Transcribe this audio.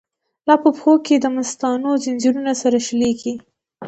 لاپه پښو کی دمستانو، ځنځیرونه سره شلیږی